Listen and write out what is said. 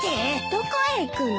どこへ行くの？